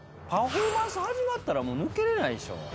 パフォーマンス始まったら抜けれないでしょ。